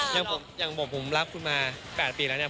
อย่างผมรักคุณมา๘ปีแล้วเนี่ย